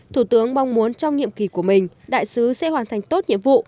thủ tướng mong muốn trong nhiệm kỳ của mình đại sứ sẽ hoàn thành tốt nhiệm vụ